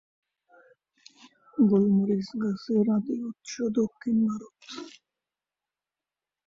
গোল মরিচ গাছের আদি উৎস দক্ষিণ ভারত।